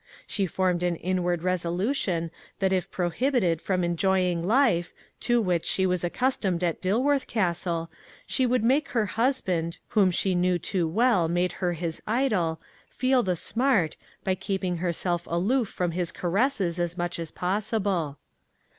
She formed an inward resolution that if prohibited from enjoying life, to which she was accustomed at Dilworth Castle, she would make her husband, whom she knew too well made her his idol, feel the smart, by keeping herself aloof from his caresses as much as possible.